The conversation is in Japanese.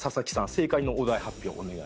正解のお題発表お願いします。